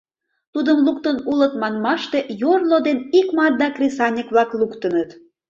Тудым луктын улыт манмаште, йорло ден икмарда кресаньык-влак луктыныт.